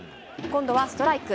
今度はストライク。